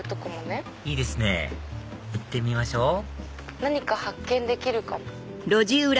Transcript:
いいですね行ってみましょう何か発見できるかも。